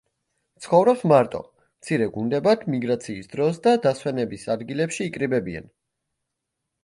ცხოვრობს მარტო, მცირე გუნდებად მიგრაციის დროს და დასვენების ადგილებში იკრიბებიან.